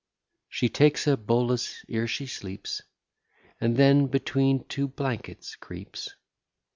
She takes a bolus ere she sleeps; And then between two blankets creeps.